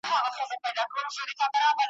محتسب ښارته وتلی حق پر شونډو دی ګنډلی ,